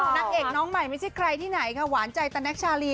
นางเอกน้องใหม่ไม่ใช่ใครที่ไหนค่ะหวานใจตะแก๊กชาลี